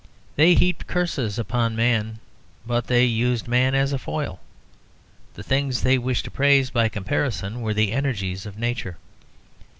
They heaped curses upon man, but they used man merely as a foil. The things they wished to praise by comparison were the energies of Nature.